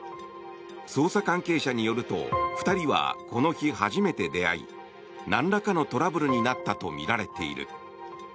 捜査関係者によると２人はこの日初めて出会いなんらかのトラブルになったとみられている。